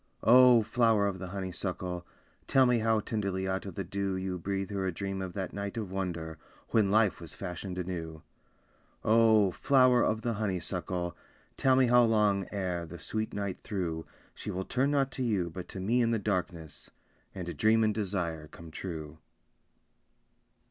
Oh, flower of the honeysuckle, Tell me how tenderly out of the dew You breathe her a dream of that night of wonder When life was fashioned anew. Oh, flower of the honeysuckle, Tell me how long ere, the sweet night through, She will turn not to you but to me in the darkness, And dream and desire come true.